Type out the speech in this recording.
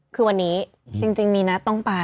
คือวันนี้จริงมีนัดต้องไป